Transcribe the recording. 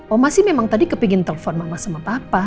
oma sih memang tadi kepengen telfon mama sama papa